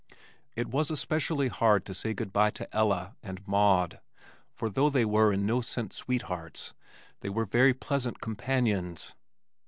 It was especially hard to say good bye to Ella and Maud, for though they were in no sense sweethearts they were very pleasant companions.